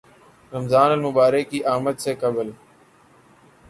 رمضان المبارک کی آمد سے قبل